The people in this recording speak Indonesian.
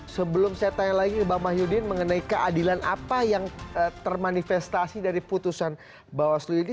sebelum saya tanya lagi ke bang mahyudin mengenai keadilan apa yang termanifestasi dari putusan bawaslu ini